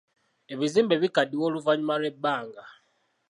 Ebizimbe bikaddiwa oluvannyuma lw'ebbanga.